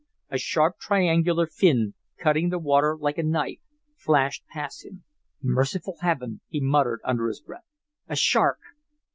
A sharp triangular fin cutting the water like a knife, flashed past him. "Merciful Heaven!" he muttered under his breath. "A shark!"